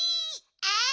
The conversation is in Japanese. あい！